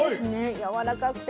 やわらかくて。